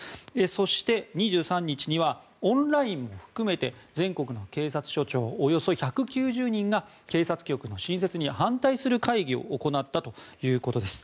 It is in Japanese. そして、２３日にはオンラインも含めて全国の警察署長およそ１９０人が警察局の新設に反対する会議を行ったということです。